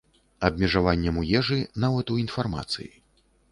Абмежаваннем у ежы, нават у інфармацыі.